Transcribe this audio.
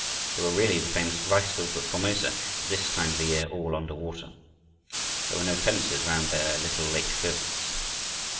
They were really the famous rice fields of Formosa, at this time of the year all under water. There were no fences round their little lake fields.